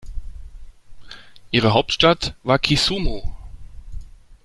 Ihre Hauptstadt war Kisumu.